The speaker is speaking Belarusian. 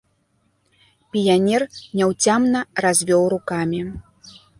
Піянер няўцямна развёў рукамі.